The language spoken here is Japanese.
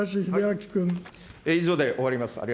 以上で終わります。